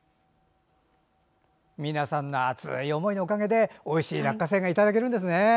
皆さんの熱い思いのおかげでおいしい落花生がいただけるんですね。